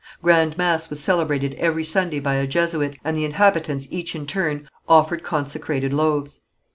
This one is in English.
Grand mass was celebrated every Sunday by a Jesuit, and the inhabitants each in turn offered consecrated loaves.